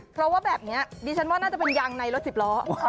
คือแบบนี้ดิฉันว่าน่าจะเป็นยางในรถสิบล้อ